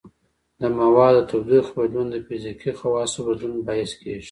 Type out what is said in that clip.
د موادو د تودوخې بدلون د فزیکي خواصو بدلون باعث کیږي.